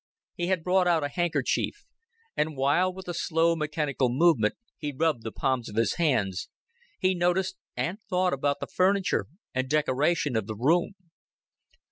He had brought out a handkerchief, and while with a slow mechanical movement he rubbed the palms of his hands, he noticed and thought about the furniture and decoration of the room.